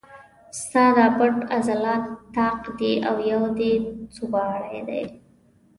ستا دا پټ عضلات طاق دي او یو دې سوباړی دی.